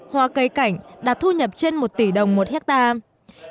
hoa cây cảnh đạt thu nhập trên một tỷ đồng một hectare